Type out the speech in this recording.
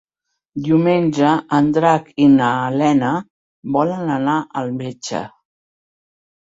Diumenge en Drac i na Lena volen anar al metge.